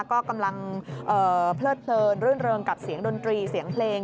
ก็กำลังเพลิดเพลินรื่นเริงกับเสียงดนตรีเสียงเพลง